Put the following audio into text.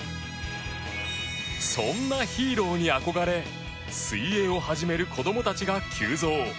そんなヒーローに憧れ水泳を始める子どもたちが急増。